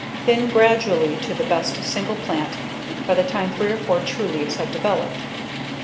Thin gradually to the best single plant by the time three or four true leaves have developed.